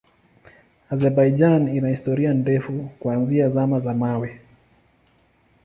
Azerbaijan ina historia ndefu kuanzia Zama za Mawe.